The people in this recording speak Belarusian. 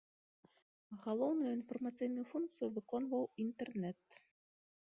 Галоўную інфармацыйную функцыю выконваў інтэрнэт.